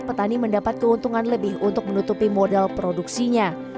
petani mendapat keuntungan lebih untuk menutupi modal produksinya